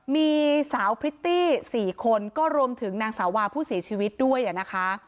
มีสาวพริตตี้๔คนก็รวมถึงนางสาวาผู้เสียชีวิตด้วยนะคะ